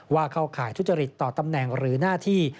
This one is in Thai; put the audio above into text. เข้าข่ายทุจริตต่อตำแหน่งหรือหน้าที่